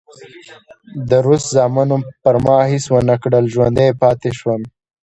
د روس زامنو پر ما هېڅ ونه کړل، ژوندی پاتې شوم.